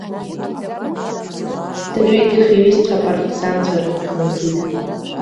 Дырҩегьых иҩызцәа апартизанцәа рахь дхынҳәит.